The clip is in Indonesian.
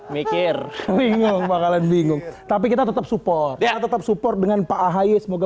bikir kering mau ngurang bingung tapi kita tetap support er tetap support dengan pak ahaya semoga